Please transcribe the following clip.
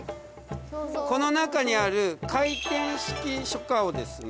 この中にある回転式書架をですね